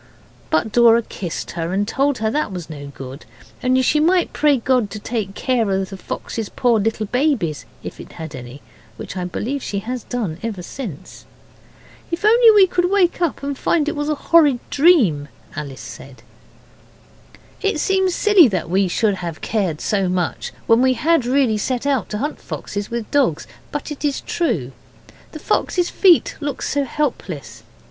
But Dora kissed her, and told her that was no good only she might pray God to take care of the fox's poor little babies, if it had had any, which I believe she has done ever since. 'If only we could wake up and find it was a horrid dream,' Alice said. It seems silly that we should have cared so much when we had really set out to hunt foxes with dogs, but it is true. The fox's feet looked so helpless.